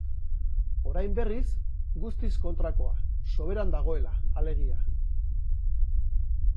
Orain berriz, guztiz kontrakoa, soberan dagoela, alegia.